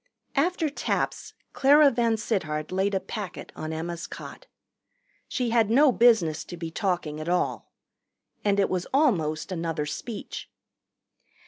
After taps Clara VanSittart laid a packet on Emma's cot. She had no business to be talking at all. And it was almost another speech.